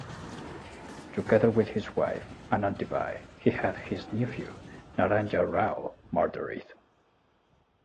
Together with his wife Anandibai, he had his nephew Narayanrao murdered.